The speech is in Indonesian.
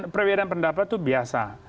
perbedaan pendapat itu biasa